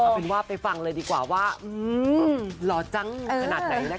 คือว่าไปฟังเลยดีกว่าว่าเหมือนหล่อจังขนาดไหนนะคะ